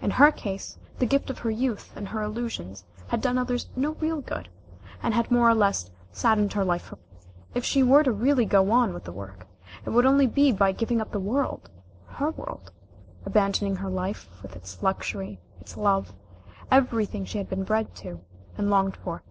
In her case the gift of her youth and her illusions had done others no real good, and had more or less saddened her life forever. If she were to really go on with the work, it would only be by giving up the world her world, abandoning her life, with its luxury, its love, everything she had been bred to, and longed for.